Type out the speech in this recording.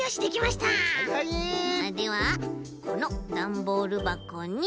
このダンボールばこに。